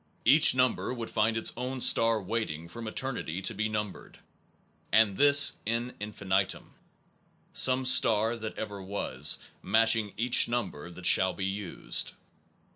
Each number would find its own star waiting from eternity to be numbered; and this in infinitum, some star that ever was, matching each number that shall be used.